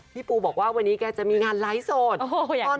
ปูบอกว่าวันนี้แกจะมีงานไลฟ์สด